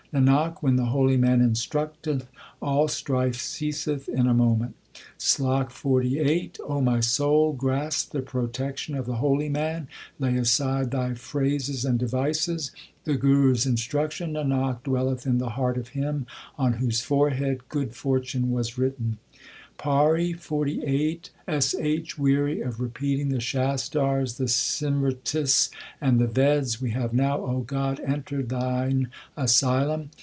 Nanak, when the holy man instructeth, All strife ceaseth in a moment. SLOK XLVIII O my soul, grasp the protection of the holy man ; lay aside thy phrases and devices : The Guru s instruction, Nanak, dwelleth in the heart of him on whose forehead good fortune was written. PAURI XLVIII S H. Weary of repeating the Shastars, the Simritis, and the Veds, We have now, God, entered Thine asylum.